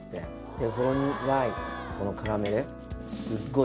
ほろ苦いこのカラメルスゴい